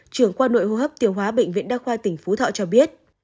trưởng quan nội hô hấp tiểu hóa bệnh viện đa khoa tỉnh phú thọ cho biết